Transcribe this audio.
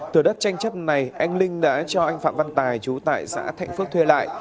từ đất tranh chấp này anh linh đã cho anh phạm văn tài chú tại xã thạnh phước thuê lại